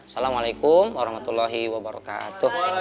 salamualaikum warahmatullahi wabarakatuh